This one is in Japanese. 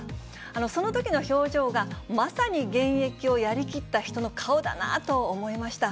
そのときの表情が、まさに現役をやりきった人の顔だなと思いました。